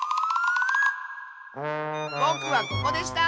ぼくはここでした！